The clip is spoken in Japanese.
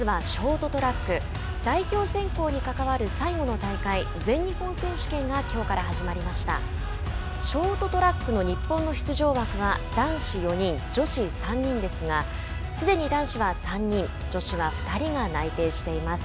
ショートトラックの日本の出場枠は男子４人女子３人ですがすでに男子は３人、女子は２人が内定しています。